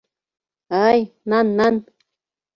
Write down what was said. Аи, нан, нан.